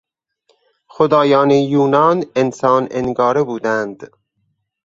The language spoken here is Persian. خدایان یونان انسان انگاره بودند.